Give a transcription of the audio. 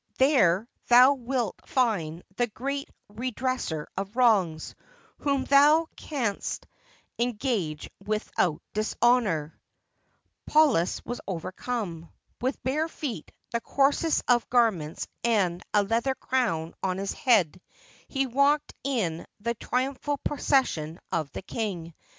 There thou wilt find the great re dresser of wrongs, whom thou canst engage without dishonor. 430 THE CHALLENGE OF PAULUS [Paulus was overcome. With bare feet, the coarsest of garments, and a leather crown on his head, he walked in the triumphal procession of the king.